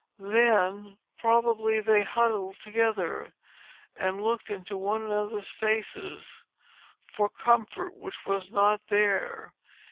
Then, probably, they huddled together, and looked into one another's faces for the comfort which was not there.